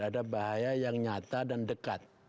ada bahaya yang nyata dan dekat